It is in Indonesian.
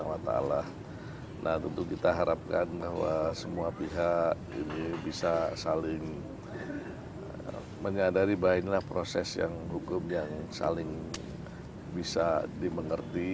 nah tentu kita harapkan bahwa semua pihak ini bisa saling menyadari bahwa inilah proses yang hukum yang saling bisa dimengerti